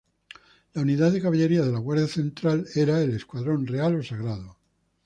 La unidad de caballería de la guardia central era el escuadrón real o sagrado.